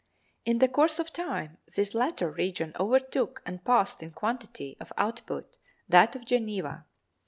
In the course of time this latter region overtook and passed in quantity of output that of Geneva.